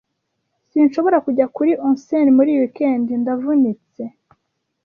Sinshobora kujya kuri onsen muri iyi weekend. Ndavunitse.